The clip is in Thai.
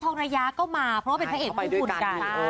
องระยาก็มาเพราะว่าเป็นพระเอกคู่บุญกัน